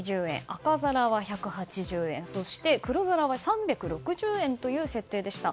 赤皿は１８０円そして黒皿は３６０円という設定でした。